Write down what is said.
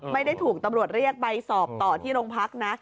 ไม่ได้ถูกธรรมบรเรียกไปสอบต่อที่รงพรรคนะ